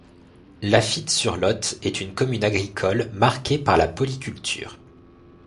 Lafitte sur Lot est une commune agricole, marquée par la polyculture.